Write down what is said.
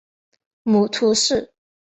母屠氏。